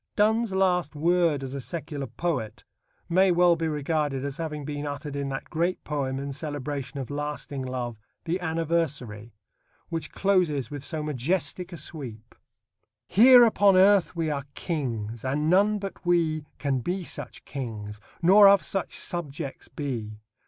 Donne's last word as a secular poet may well be regarded as having been uttered in that great poem in celebration of lasting love, The Anniversary, which closes with so majestic a sweep: Here upon earth we are kings, and none but we Can be such kings, nor of such subjects be.